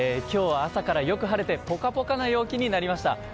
今日は朝からよく晴れてポカポカな陽気になりました。